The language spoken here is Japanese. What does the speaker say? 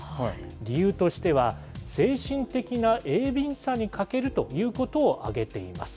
理由としては、精神的な鋭敏さに欠けるということを挙げています。